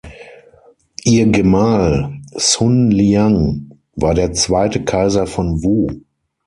Ihr Gemahl Sun Liang war der zweite Kaiser von Wu.